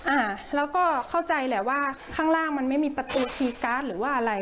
อ่าแล้วก็เข้าใจแหละว่าข้างล่างมันไม่มีประตูคีย์การ์ดหรือว่าอะไร